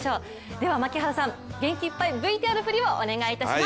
では槙原さん元気いっぱいＶＴＲ振りをお願いします。